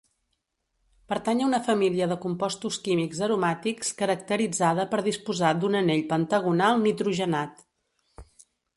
Pertany a una família de compostos químics aromàtics, caracteritzada per disposar d’un anell pentagonal nitrogenat.